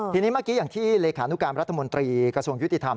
ทีนี้เมื่อกี้อย่างที่เลขานุการรัฐมนตรีกระทรวงยุติธรรม